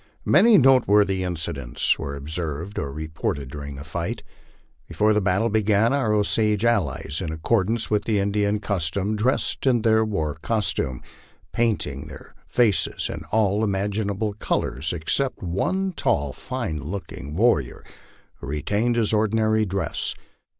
Many noteworthy incidents were observed or reported during the fight. Before the battle began, our Osage allies, in accordance with the Indian cus tom, dressed in their war costume, painting their faces in all imaginable col ors, except one tall, fine looking warrior, who retained his ordinary dress.